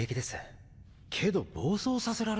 けど暴走させられたら。